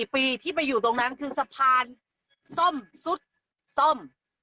๔ปีที่ไปอยู่ตรงนั้นคือสะพานส้มซุดส้ม